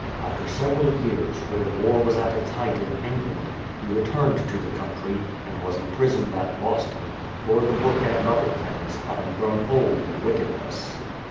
After several years, when the war was at its height in England, he re turned to the country, and was imprisoned at Boston, for the book and other things, having grown old in wickedness.